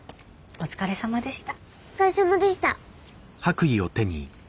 お疲れさまでした。